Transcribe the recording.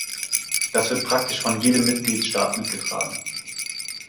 Das wird praktisch von jedem Mitgliedstaat mitgetragen.